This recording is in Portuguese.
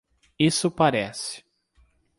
Isso parece.